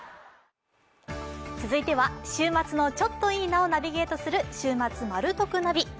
週末のちょっといいなをナビゲートする「週末マル得ナビ」。